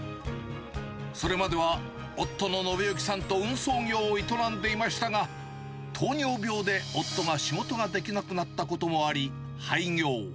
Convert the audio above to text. それまでは夫の信之さんと運送業を営んでいましたが、糖尿病で夫が仕事ができなくなったこともあり、廃業。